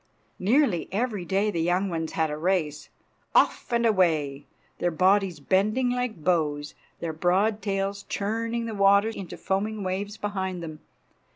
Nearly every day the young ones had a race. Off and away! their bodies bending like bows, their broad tails churning the water into foaming waves behind them.